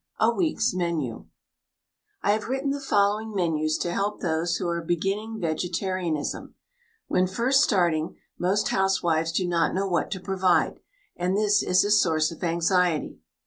A WEEK'S MENU I have written the following menus to help those who are beginning vegetarianism. When first starting, most housewives do not know what to provide, and this is a source of anxiety.